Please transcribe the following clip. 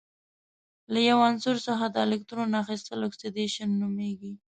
له یو عنصر څخه د الکترون اخیستل اکسیدیشن نومیږي.